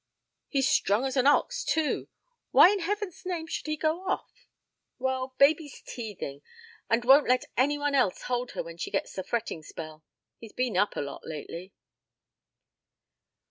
He's strong as an ox, too. Why in heaven's name should he go off?" "Well, baby's teething and won't let any one else hold her when she gets a fretting spell. He's been up a lot lately."